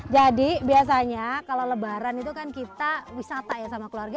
jadi biasanya kalau lebaran itu kan kita wisata ya sama keluarga